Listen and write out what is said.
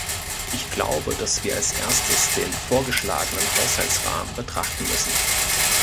Ich glaube, dass wir als Erstes den vorgeschlagenen Haushaltsrahmen betrachten müssen.